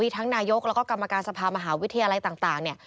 ทั้งนายกแล้วก็กรรมการสภามหาวิทยาลัยต่างเนี่ย